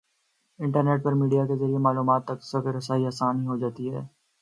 Internet پر media کے ذریعے معلومات تک رسائی آسان ہو چکی ہے۔